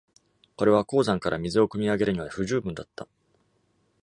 これは鉱山から水を汲み上げるには不十分だった。